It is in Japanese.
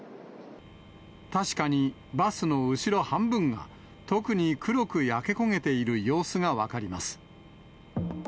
確かにバスの後ろ半分が、特に黒く焼け焦げている様子が分かります。